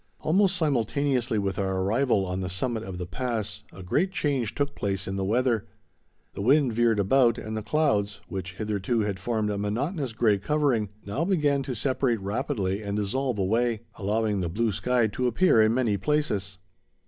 Almost simultaneously with our arrival on the summit of the pass, a great change took place in the weather. The wind veered about, and the clouds, which hitherto had formed a monotonous gray covering, now began to separate rapidly and dissolve away, allowing the blue sky to appear in many places.